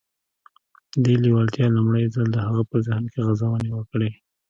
دې لېوالتیا لومړی ځل د هغه په ذهن کې غځونې وکړې.